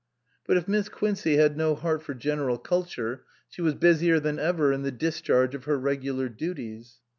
But if Miss Quincey had no heart for General Culture, she was busier than ever in the dis charge of her regular duties.